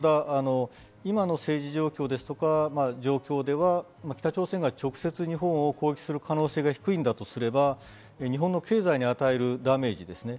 ただ、今の政治状況ですとか状況では北朝鮮が直接、日本を攻撃する可能性が低いんだとすれば、日本の経済に与えるダメージですね。